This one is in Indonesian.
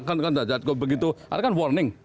kan ada warning